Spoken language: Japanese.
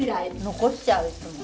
残しちゃういつも。